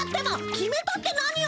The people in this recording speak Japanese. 「決めた」って何よ！